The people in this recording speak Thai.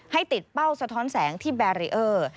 ให้ติดเป้าสะท้อนแสงที่แบรีเออร์